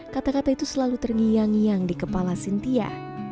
kata kata itu selalu terngiang ngiang di kepala sintia